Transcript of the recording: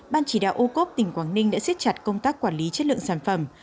ban chỉ đạo ô cốp tỉnh quảng ninh đã xếp chặt công tác quản lý chất lượng sản phẩm